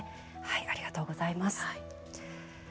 ありがとうございます。